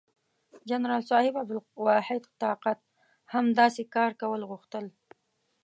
جنرال صاحب عبدالواحد طاقت هم داسې کار کول غوښتل.